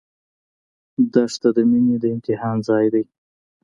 دښته د مینې د امتحان ځای دی.